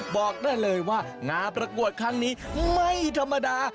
บอกได้เลยว่างานประกวดครั้งนี้ไม่ธรรมดา